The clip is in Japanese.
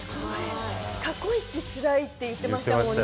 過去一つらいって言ってましたもんね。